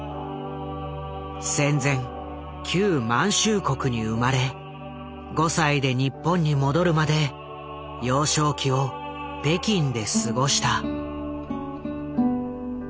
戦前旧満州国に生まれ５歳で日本に戻るまで幼少期を北京で過ごした。